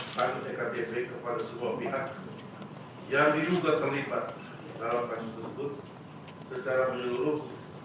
dari ekdp kepada semua pihak yang juga terlibat dalam kasus tersebut secara menyeluruh